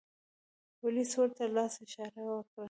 پولیس ورته لاس اشاره و کړه.